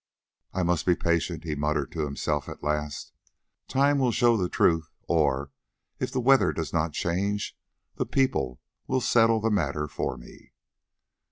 "I must be patient," he muttered to himself at last; "time will show the truth, or, if the weather does not change, the people will settle the matter for me."